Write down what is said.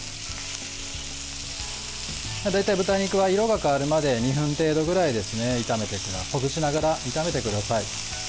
大体、豚肉は色が変わるまで２分程度ぐらいほぐしながら炒めてください。